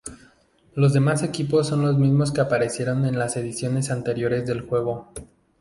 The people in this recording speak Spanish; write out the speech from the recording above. Los demás equipos son los mismos que aparecieron en las ediciones anteriores del juego.